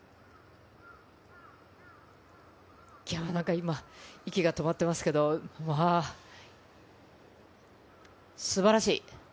今、息が止まってますけれど、素晴らしい。